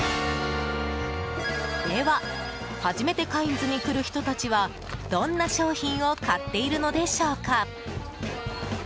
では、初めてカインズに来る人たちはどんな商品を買っているのでしょうか？